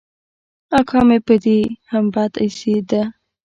اکا مې په دې هم بد اېسېد.